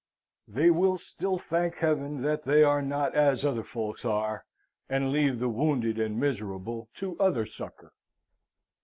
They will still thank Heaven that they are not as other folks are; and leave the wounded and miserable to other succour.